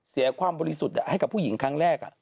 เสียความบริสุทธิ์ให้กับผู้หญิงครั้งแรก